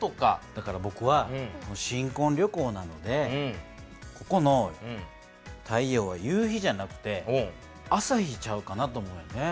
だからぼくは新こん旅行なのでここの太陽は夕日じゃなくて朝日ちゃうかなと思うんね。